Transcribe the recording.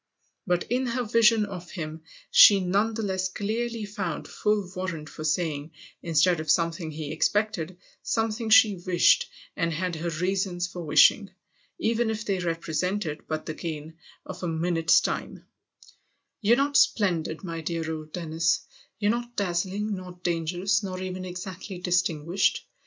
But in her vision of him she none the less clearly found full warrant for saying, instead of something he expected, something she wished and had her reasons for wishing, even if they represented but the gain of a minute's time 44 THE OTHER HOUSE " You're not splendid, my dear old Dennis you're not dazzling, nor dangerous, nor even exactly dis tinguished.